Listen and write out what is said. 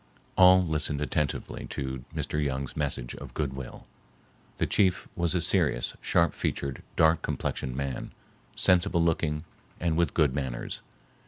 All listened attentively to Mr. Young's message of goodwill. The chief was a serious, sharp featured, dark complexioned man, sensible looking and with good manners.